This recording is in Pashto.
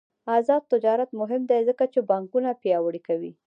آزاد تجارت مهم دی ځکه چې بانکونه پیاوړي کوي.